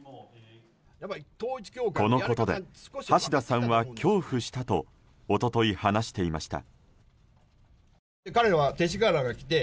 このことで橋田さんは恐怖したと一昨日、話していました。